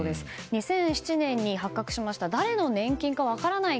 ２００７年に発覚しました誰の年金か分からない